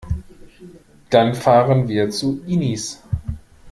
Dann fahren wir zu Inis.